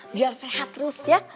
biar sehat terus ya